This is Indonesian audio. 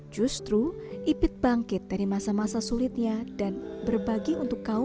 justru ipid bangkit dari masa masa sulitnya dan berbagi untuk kaum